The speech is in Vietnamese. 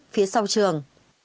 phía sau trường